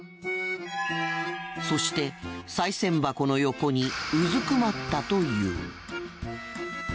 そしてさい銭箱の横にうずくまったという。